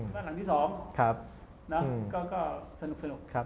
บ้านหลังที่๒ก็สนุก